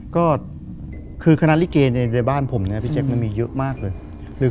ก็คือคณะลิเกในบ้านผมเนี่ยพี่แจ๊คมันมีเยอะมากเลย